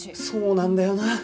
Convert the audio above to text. そうなんだよな。